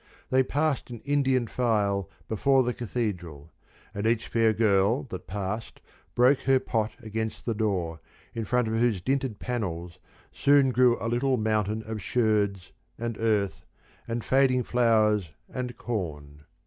They passed in Indian file before the Cathedral, and each fair girl that passed broke her pot against the door, in front of whose dinted panels soon grew up a little mountain of sherds, and earth, and fading flowers and corn.